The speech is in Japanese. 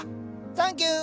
サンキュー！